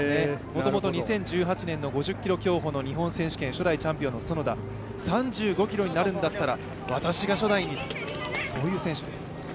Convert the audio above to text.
もともと２０１８年の５０ｋｍ競歩の日本選手権初代チャンピオンの園田、３５ｋｍになるんだったら、私が初代にと、そういう選手です。